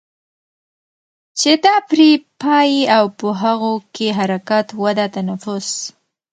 چې دا پرې پايي او په هغو کې حرکت، وده، تنفس